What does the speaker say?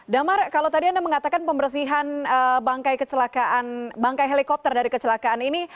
damar kalau tadi anda mengatakan pembersihan bangkai helikopter dari kecelakaan ini